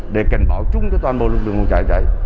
để cảnh báo chung cho toàn bộ lực lượng phòng cháy cháy